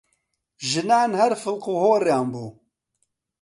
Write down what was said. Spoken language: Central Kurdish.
ژنان هەر فڵقوهۆڕیان بوو!